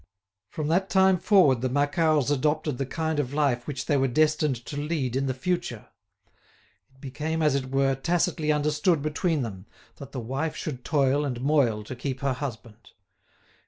From that time forward the Macquarts adopted the kind of life which they were destined to lead in the future. It became, as it were, tacitly understood between them that the wife should toil and moil to keep her husband.